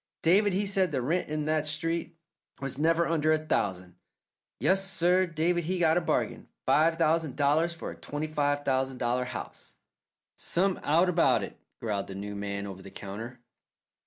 David he said the rent in that street was never under a thousand. Yes, sir, David he got a bargain five thousand dollars for a twenty five thousand dollar house." "Some out about it!" growled the new man over the counter.